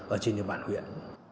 ở trên địa bàn huyện